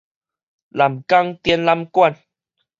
南港展覽館